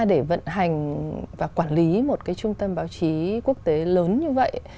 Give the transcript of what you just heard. để vận hành và quản lý một cái trung tâm báo chí quốc tế lớn như vậy